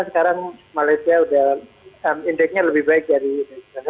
sekarang malaysia udah indeknya lebih baik dari indonesia